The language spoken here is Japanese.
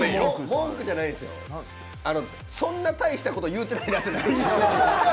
文句じゃないですよ、そんな大したこと言うてないなって。